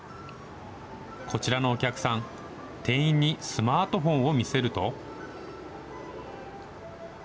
こちらのお客さん、店員にスマートフォンを見せると。